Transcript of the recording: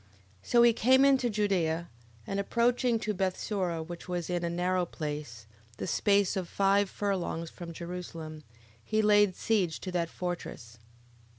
11:5. So he came into Judea, and approaching to Bethsura, which was in a narrow place, the space of five furlongs from Jerusalem, he laid siege to that fortress.